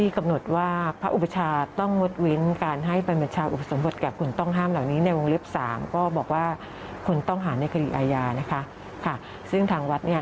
ของการนุ่งขาวห่วงขาว